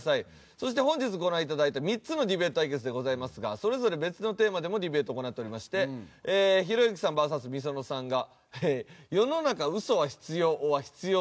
そして本日ご覧いただいた３つのディベート対決でございますがそれぞれ別のテーマでもディベートを行っておりましてひろゆきさんＶＳｍｉｓｏｎｏさんが「世の中嘘は必要ｏｒ必要ではない」。